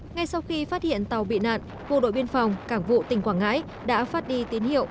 ngay sau khi phát hiện tàu bị nạn bộ đội biên phòng cảng vụ tỉnh quảng ngãi đã phát đi tín hiệu